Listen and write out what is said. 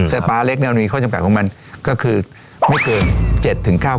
แต่ปลาเล็กเนี่ยมันมีข้อจำกัดของมันก็คือไม่เกิน๗๙ขีดเท่านั้นอีก